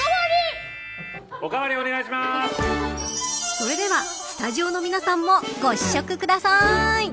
それではスタジオの皆さんもご試食ください。